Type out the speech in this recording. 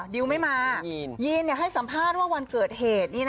ดิวไม่มายีนให้สัมภาษณ์ว่าวันเกิดเหตุ